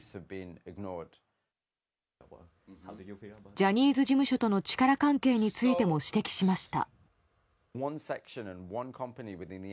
ジャニーズ事務所との力関係についても指摘しました。